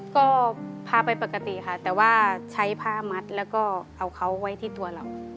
ก็พาไปปกติค่ะแต่ว่าใช้ผ้ามัดแล้วก็เอาเขาไว้ที่ตัวเรา